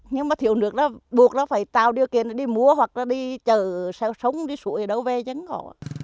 nhưng mà thiếu nước là buộc nó phải tạo điều kiện để đi mua hoặc là đi chở sông đi sụi ở đâu về chẳng có